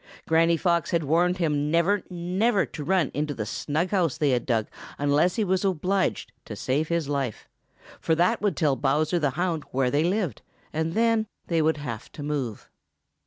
Granny Fox had warned him never, never to run into the snug house they had dug unless he was obliged to to save his life, for that would tell Bowser the Hound where they lived, and then they would have to move.